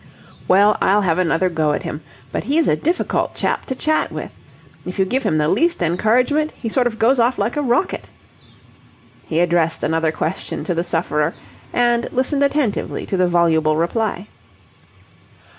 "Well, I'll have another go at him. But he's a difficult chap to chat with. If you give him the least encouragement, he sort of goes off like a rocket." He addressed another question to the sufferer, and listened attentively to the voluble reply.